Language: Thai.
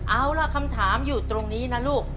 เอาล่ะคำถามอยู่ตรงนี้นะลูก